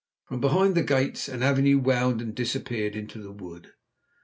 From behind the gates an avenue wound and disappeared into the wood.